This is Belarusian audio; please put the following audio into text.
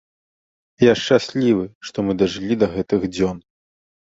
Я шчаслівы, што мы дажылі да гэтых дзён.